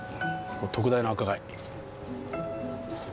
特大の赤貝。